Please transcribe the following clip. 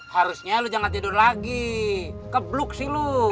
harusnya lo jangan tidur lagi kebluk sih lo